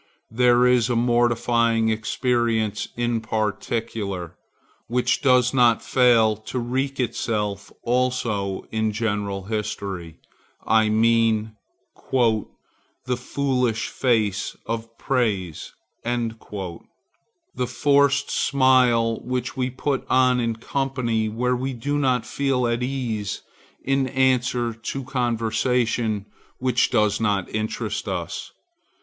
There is a mortifying experience in particular, which does not fail to wreak itself also in the general history; I mean "the foolish face of praise," the forced smile which we put on in company where we do not feel at ease in answer to conversation which does not interest us.